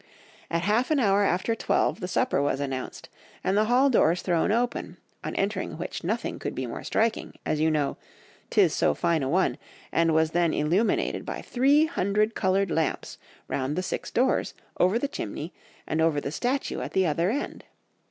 At half an hour after twelve the supper was announced, and the hall doors thrown open, on entering which nothing could be more striking, as you know 'tis so fine a one, and was then illuminated by three hundred coloured lamps round the six doors, over the chimney, and over the statue at the other end....